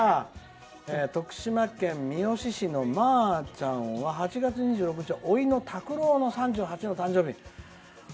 徳島県三好市のまあちゃんは８月２６日はおいのたくろうの３８歳の誕生日。